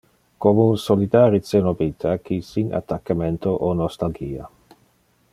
Como un solidari cenobita, qui sin attaccamento o nostalgia.